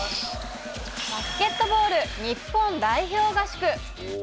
バスケットボール日本代表合宿。